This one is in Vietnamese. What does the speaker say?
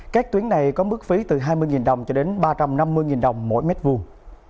các tuyến này có mức phí từ hai mươi đồng cho đến ba trăm năm mươi đồng mỗi mét vuông